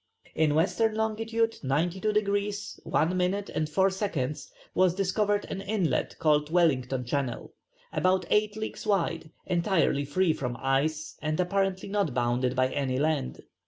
In W. long. 92 degrees 1 minute 4 seconds was discovered an inlet called Wellington Channel, about eight leagues wide, entirely free from ice and apparently not bounded by any land.